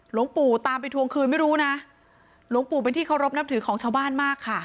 หลวงปู่ตามไปทวงคืนไม่รู้นะหลวงปู่เป็นที่เคารพนับถือของชาวบ้านมากค่ะ